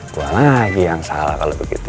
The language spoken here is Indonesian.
gua lagi yang salah kalo begitu